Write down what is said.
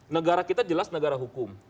negara kita jelas negara hukum